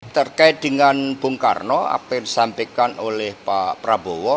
terkait dengan bung karno apa yang disampaikan oleh pak prabowo